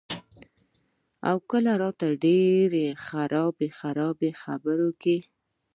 او کله راته ډېرې خرابې خرابې خبرې کئ " ـ